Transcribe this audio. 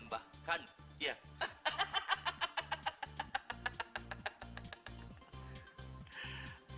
hoy sekali lagi